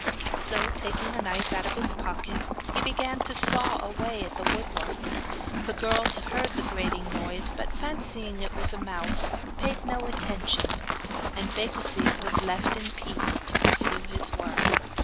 So, taking a knife out of his pocket, he began to saw away the woodwork. The girls heard the grating noise, but fancying it was a mouse, paid no attention, and Becasigue was left in peace to pursue his work.